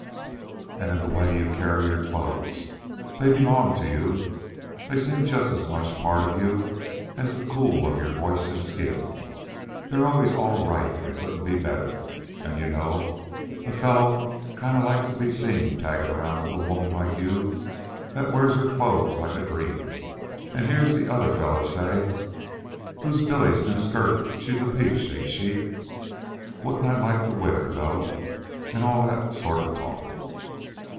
"And in the way you carry your clothes. They belong to you. They seem just as much part of you as the cool of your voice and skin. They're always all right an' couldn't be better. An' you know, a fellow kind of likes to be seen taggin' around with a woman like you, that wears her clothes like a dream, an' hear the other fellows say: 'Who's Bill's new skirt? She's a peach, ain't she? Wouldn't I like to win her, though.' And all that sort of talk."